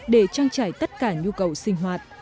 để trang trải tất cả nhu cầu sinh hoạt